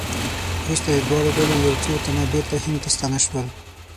وروسته د دواړو ډلو یو څو تنه بېرته هند ته ستانه شول.